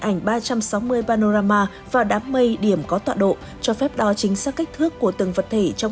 ảnh ba trăm sáu mươi panorama và đám mây điểm có tọa độ cho phép đo chính xác kích thước của từng vật thể trong